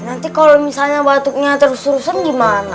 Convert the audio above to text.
nanti kalau misalnya batuknya terus terusan gimana